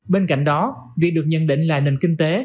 bên cạnh đó việc được nhận định là nền kinh tế